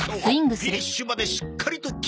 フィニッシュまでしっかりと決める。